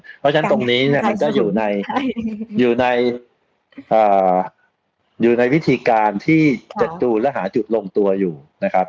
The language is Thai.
เพราะฉะนั้นตรงนี้จะอยู่ในวิธีการที่จัดจูนและหาจุดลงตัวอยู่นะครับ